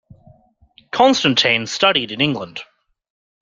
Constantine studied in England.